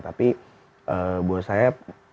tapi buat saya